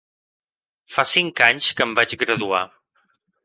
Fa cinc anys que em vaig graduar.